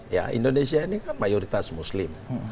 ya indonesia ini kan mayoritas muslim